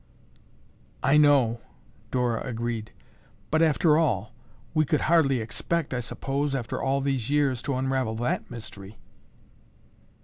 "I know," Dora agreed, "but after all, we could hardly expect, I suppose, after all these years, to unravel that mystery."